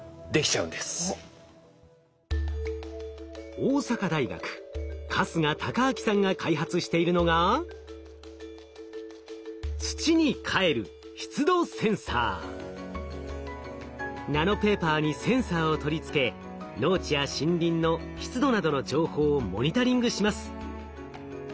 大阪大学春日貴章さんが開発しているのがナノペーパーにセンサーを取り付け農地や森林の湿度などの情報をモニタリングします。